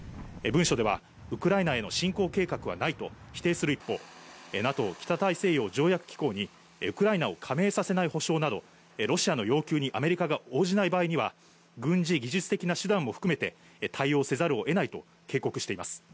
文書ではウクライナへの侵攻計画はないと否定する一方、ＮＡＴＯ＝北大西洋条約機構にウクライナを加盟させない保証などロシアの要求にアメリカが応じない場合は、軍事技術的な手段を含めて対応せざるを得ないと警告しています。